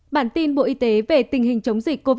bản tin bộ y tế về tình hình chống dịch covid một mươi chín